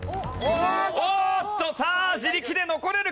おーっとさあ自力で残れるか？